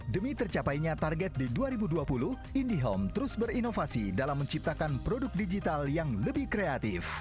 demi tercapainya target di dua ribu dua puluh indihome terus berinovasi dalam menciptakan produk digital yang lebih kreatif